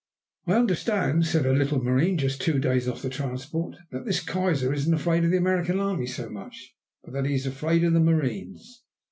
"I understand," said a little marine just two days off the transport, "that this Kaiser isn't afraid of the American Army so much, but that he is afraid of the marines."